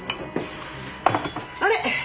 あれ？